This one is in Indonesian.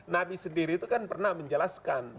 nabi sendiri itu kan pernah menjelaskan